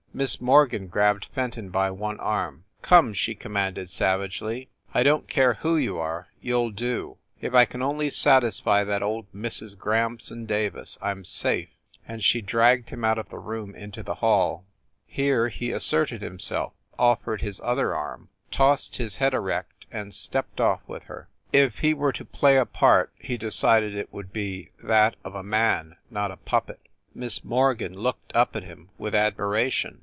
Miss Morgan grabbed Fenton by one arm. "Come!" she commanded, savagely, "I don t care who you are you ll do! If I can only satisfy that old Mrs. Grahamson Davis, I m safe!" and she dragged him out of the room into the hall. Here he asserted himself, offered his other arm, tossed his head erect, and stepped off with her. If he were to play a part he decided it would be that of a man, not a puppet. Miss Morgan looked up at him with admiration.